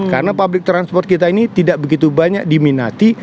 karena transport kita ini tidak begitu banyak yang dikumpulkan oleh mobil